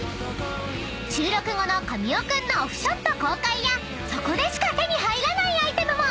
［収録後の神尾君のオフショット公開やそこでしか手に入らないアイテムも。